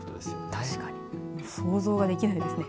確かに想像はできないですね。